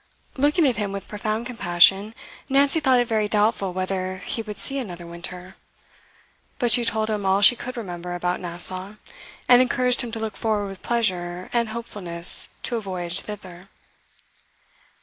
Looking at him with profound compassion, Nancy thought it very doubtful whether he would see another winter. But she told him all she could remember about Nassau, and encouraged him to look forward with pleasure and hopefulness to a voyage thither.